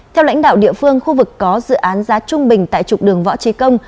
theo lãnh đạo địa phương khu vực có dự án giá trung bình tại trục đường võ trí công